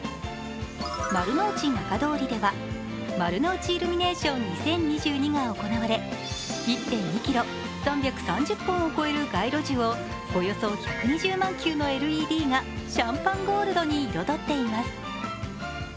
丸の内仲通りでは丸の内イルミネーション２０２２が行われ、１．２ｋｍ、３３０本を超える街路樹をおよそ１２万球のＬＥＤがシャンパンゴールドに彩っています。